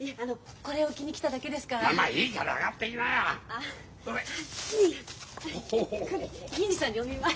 これ銀次さんにお見舞い。